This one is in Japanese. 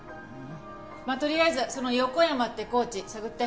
まあとりあえずその横山ってコーチ探って。